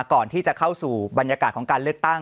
ก่อนที่จะเข้าสู่บรรยากาศของการเลือกตั้ง